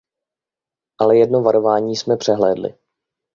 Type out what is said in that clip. Ale jedno varování jsme přehlédli.